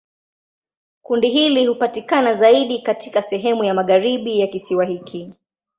Kundi hili hupatikana zaidi katika sehemu ya magharibi ya kisiwa hiki.